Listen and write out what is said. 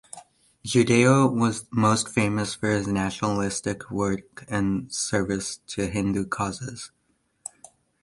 Judeo was most famous for his nationalistic work and service to Hindu causes.